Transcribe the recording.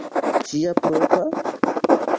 Ŝia propra?